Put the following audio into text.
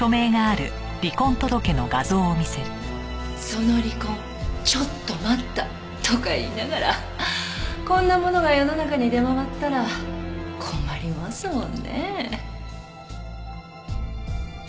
「その離婚ちょっと待った！」とか言いながらこんなものが世の中に出回ったら困りますもんね。